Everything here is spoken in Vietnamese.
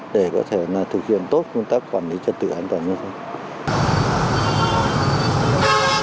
để có thể thực hiện tốt công tác quản lý trật tự an toàn giao thông